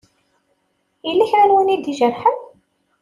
Yella kra n yiwen i d-ijerḥen?